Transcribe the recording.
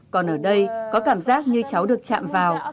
còn ở đây có cảm giác như cháu được chạm vào